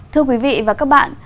thưa quý vị và các bạn